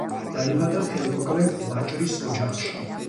დაიბადა ხელმოკლე ვაჭრის ოჯახში.